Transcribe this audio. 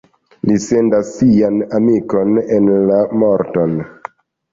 Li sendas sian amikon en la morton.